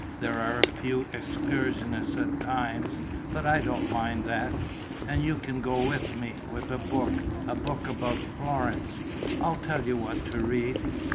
There are a few excursionists at times; but I don't mind that. And you can go with me, with a book, a book about Florence; I'll tell you what to read.